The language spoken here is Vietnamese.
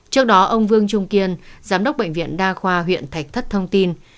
trước đó ông vương trung kiên giám đốc bệnh viện đa khoa huyện thạch thất thông tin